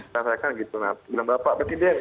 saya kan gitu bilang bapak presiden